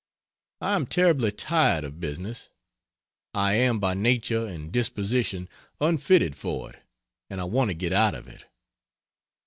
I am terribly tired of business. I am by nature and disposition unfitted for it and I want to get out of it.